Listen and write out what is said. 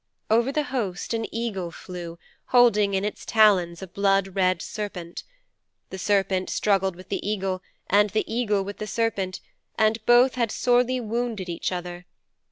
'Over the host an eagle flew, holding in its talons a blood red serpent. The serpent struggled with the eagle and the eagle with the serpent, and both had sorely wounded each other.